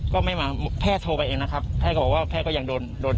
ก็ไม่มาแพทย์โทรไปเองนะครับแพทย์ก็บอกว่าแพทย์ก็ยังโดนโดน